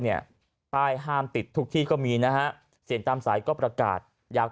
เนี่ยป้ายห้ามติดทุกที่ก็มีนะฮะเสียงตามสายก็ประกาศอยาก